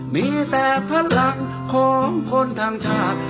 มีแต่พลังของคนทั้งชาติ